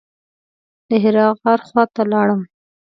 د حرا غار خواته لاړم.